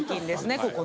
ここね。